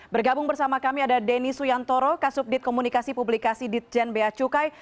bergabung bersama kami ada denny suyantoro kasubdit komunikasi publikasi ditjen bea cukai